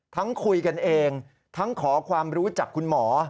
ทั้งคุยกันเองทั้งขอความรู้จากคุณหมอ